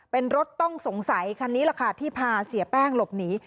เป็นรถต้องสงสัยคันนี้แหละค่ะที่พาเสียแป้งหลบหนี